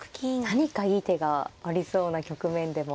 何かいい手がありそうな局面でもありますよね。